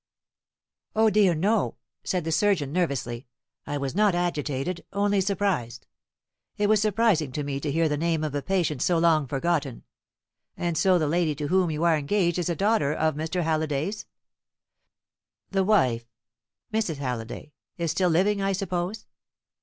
"O dear no," said the surgeon nervously; "I was not agitated, only surprised. It was surprising to me to hear the name of a patient so long forgotten. And so the lady to whom you are engaged is a daughter of Mr. Halliday's? The wife Mrs. Halliday is still living, I suppose?"